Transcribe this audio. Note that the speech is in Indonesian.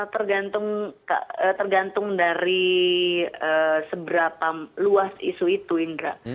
tergantung dari seberapa luas isu itu indra